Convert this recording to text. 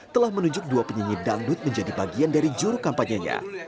telah menunjuk dua penyanyi dangdut menjadi bagian dari juru kampanyenya